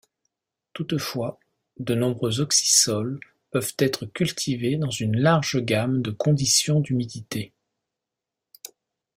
Toutefois, de nombreux oxisols peuvent être cultivés dans une large gamme de conditions d'humidité.